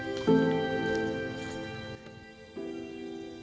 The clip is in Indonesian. kita harus berpikir pikir kita harus berpikir